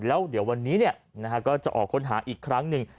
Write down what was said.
แล้วเดี๋ยววันนี้ก็จะออกค้นหาอีกครั้งหนึ่ง